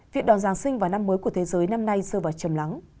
việc đòn giáng sinh vào năm mới của thế giới năm nay dơ vào chầm lắng